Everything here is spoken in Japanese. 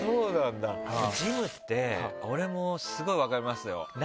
ジムって俺もすごい分かりますよ。